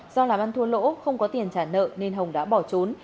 do làm ăn thua lỗ không có tiền trả nợ nên hồng đã bỏ trốn